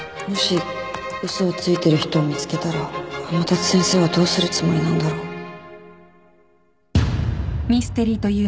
もし嘘をついてる人を見つけたら天達先生はどうするつもりなんだろう